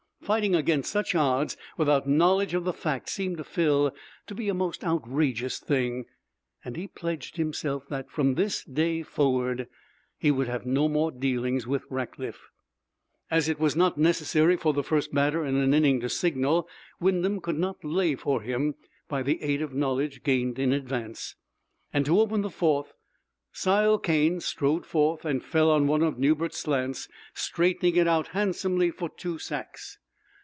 Fighting against such odds without knowledge of the fact seemed to Phil to be a most outrageous thing, and he pledged himself that, from this day forward, he would have no more dealings with Rackliff. As it was not necessary for the first batter in an inning to signal, Wyndham could not "lay for him" by the aid of knowledge gained in advance, and to open the fourth Sile Cane strode forth and fell on one of Newbert's slants, straightening it out handsomely for two sacks.